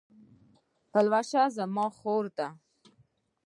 پلوشه زما خور ده